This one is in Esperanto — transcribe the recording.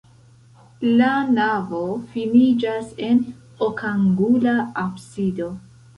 La navo finiĝas en okangula absido.